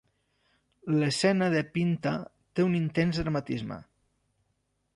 L'escena de Pinta té un intens dramatisme.